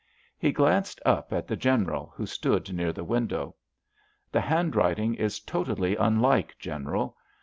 He glanced up at the General, who stood near the window. "The handwriting is totally unlike, General.